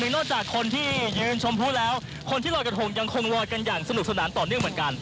นอกจากคนที่ยืนชมพู่แล้วคนที่ลอยกระทงยังคงลอยกันอย่างสนุกสนานต่อเนื่องเหมือนกัน